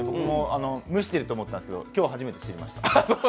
蒸してると思ったんですけど今日初めて知りました。